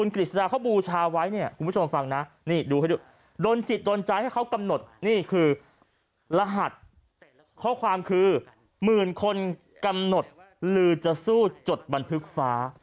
ก็คือหมื่นคนกำหนดหรือจะสู้จดบันทึกฟ้า